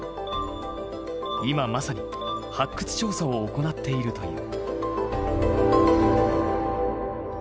今まさに発掘調査を行っているという。